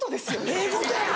ええことや！